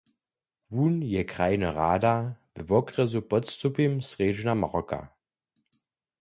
Wón je krajny rada we wokrjesu Podstupim-Srjedźna marka.